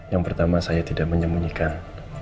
yang pertama saya tidak menyembunyikan